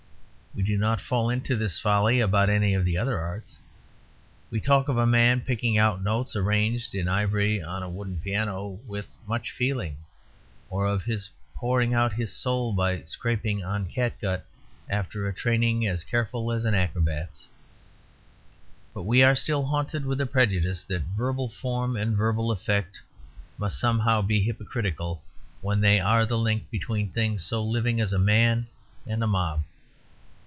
We do not fall into this folly about any of the other arts. We talk of a man picking out notes arranged in ivory on a wooden piano "with much feeling," or of his pouring out his soul by scraping on cat gut after a training as careful as an acrobat's. But we are still haunted with a prejudice that verbal form and verbal effect must somehow be hypocritical when they are the link between things so living as a man and a mob.